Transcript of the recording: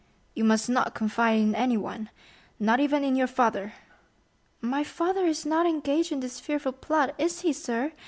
"You must not confide in anyone—not even in your father." "My father is not engaged in this fearful plot, is he, sir?"